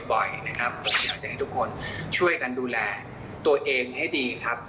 อยากจะให้ทุกคนช่วยกันดูแลตัวเองให้ดีครับ